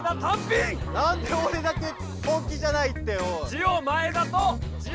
なんでおれだけ本気じゃないって。